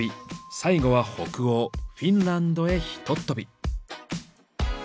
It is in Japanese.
最後は北欧フィンランドへひとっ飛び。